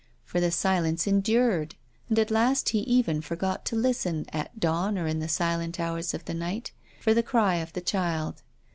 For the silence endured. And at last he even forgot to listen, at dawn or in the silent hours of the night, for the cry of the child.